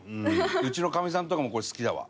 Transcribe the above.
うちのかみさんとかもこれ好きだわ。